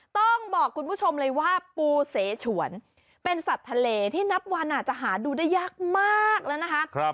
ต้องบอกคุณผู้ชมเลยว่าปูเสฉวนเป็นสัตว์ทะเลที่นับวันอาจจะหาดูได้ยากมากแล้วนะคะ